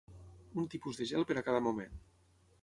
Un tipus de gel per a cada moment